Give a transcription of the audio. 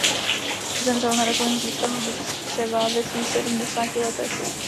Zemřel na rakovinu tlustého střeva ve svých sedmdesáti letech.